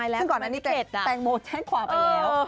ซึ่งก่อนอันนี้แตงโมแจ้งความไปแล้ว